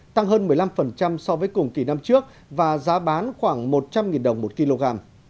tăng hơn một mươi năm so với cùng kỳ năm trước và giá bán khoảng một trăm linh đồng một kg